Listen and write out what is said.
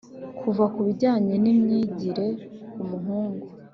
Vuga ku bijyanye n’imyigire ku muhungu